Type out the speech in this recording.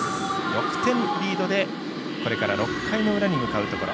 ６点リードでこれから６回の裏に向かうところ。